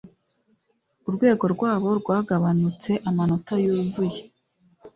urwego rwabo rwagabanutse amanota yuzuye